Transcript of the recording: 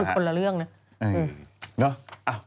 คนละเรื่องนะ